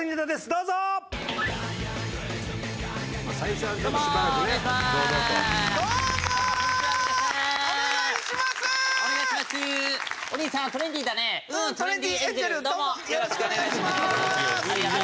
どうもよろしくお願いしまーす！